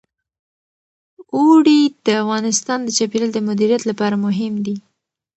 اوړي د افغانستان د چاپیریال د مدیریت لپاره مهم دي.